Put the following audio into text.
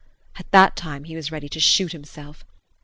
At that time he was ready to shoot himself.